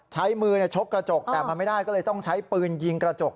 ใช้มือชกกระจกแต่มันไม่ได้ก็เลยต้องใช้ปืนยิงกระจก